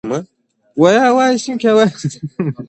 جګړه په میوند کې وه.